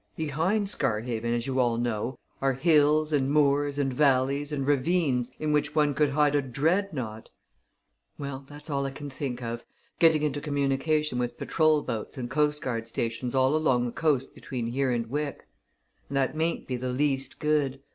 Behind Scarhaven, as you all know, are hills and moors and valleys and ravines in which one could hide a Dreadnought! Well, that's all I can think of getting into communication with patrol boats and coastguard stations all along the coast between here and Wick. And that mayn't be the least good.